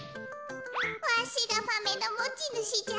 わしがマメのもちぬしじゃ。